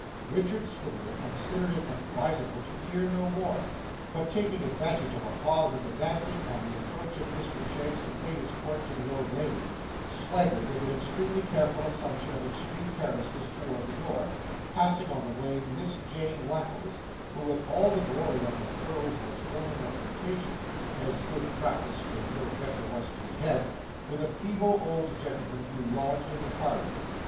Richard Swiviller considered it advisable to hear no more, but taking advantage of a pause in the dancing, and the approach of Mr Cheggs to pay his court to the old lady, swaggered with an extremely careful assumption of extreme carelessness toward the door, passing on the way Miss Jane Wackles, who in all the glory of her curls was holding a flirtation, (as good practice when no better was to be had) with a feeble old gentleman who lodged in the parlour.